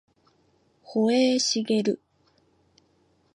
保栄茂